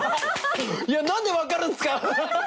何で分かるんすか！？